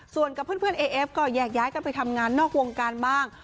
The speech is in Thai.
ส่วนกับเพื่อนเอเอฟก็แยกย้ายกันไปทำงานนอกวงการบ้าง